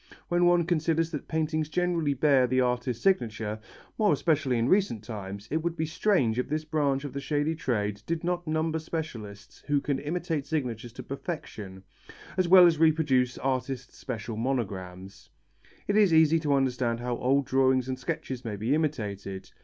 When one considers that paintings generally bear the artist's signature, more especially in recent times, it would be strange if this branch of the shady trade did not number specialists who can imitate signatures to perfection, as well as reproduce artists' special monograms. It is easy to understand how old drawings and sketches may be imitated.